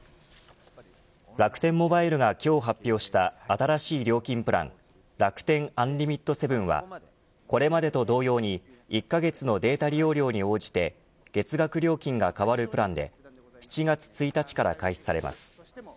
楽天モバイルが今日発表した新しい料金プランＲａｋｕｔｅｎＵＮ‐ＬＩＭＩＴ７はこれまでと同様に１カ月のデータ利用量に応じて月額料金が変わるプランで７月１日から開始されます。